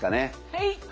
はい。